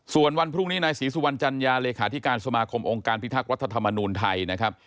ส่วนวันพรุ่งนี้นายศรีสุวรรณจัญญาเลขาธิการสมาคมองค์การพิทักษ์รัฐธรรมนูลไทยนะครับ